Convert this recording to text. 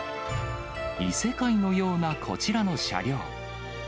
異世界のようなこちらの車両。